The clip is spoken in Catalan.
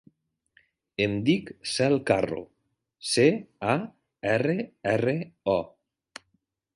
Em dic Cel Carro: ce, a, erra, erra, o.